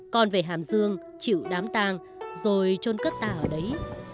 con về hàm dương chịu đám tang rồi trôn cất ta ở đấy